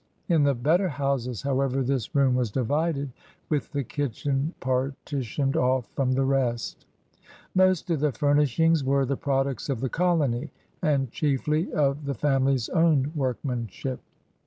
Li the better houses, however, this room was divided, with the kitchen partitioned off from the rest. Most of the furnishings were the products of the colony and chiefly of the family*s own workmanship.